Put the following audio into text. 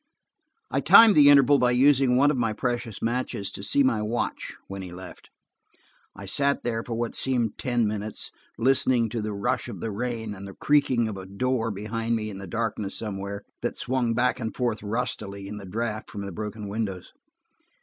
I timed the interval by using one of my precious matches to see my watch when he left. I sat there for what seemed ten minutes, listening to the rush of the rain and the creaking of a door behind me in the darkness somewhere, that swung back and forth rustily in the draft from the broken windows.